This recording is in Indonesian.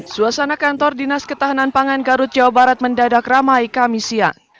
suasana kantor dinas ketahanan pangan garut jawa barat mendadak ramai kami siang